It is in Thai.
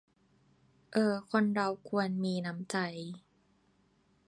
เออ คนเราควรมีน้ำใจ